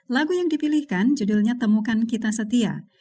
lagu yang dipilihkan judulnya temukan kita setia